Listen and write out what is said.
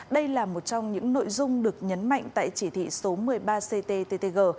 đây là một trong những nội dung được nhấn mạnh tại chỉ thị số một mươi ba cttg